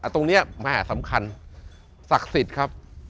ตรงนี้แม่สำคัญศักดิ์สิทธิ์ครับ